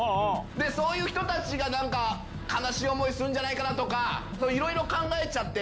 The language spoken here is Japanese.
そういう人たちがなんか悲しい思いするんじゃないかなとか、いろいろ考えちゃって。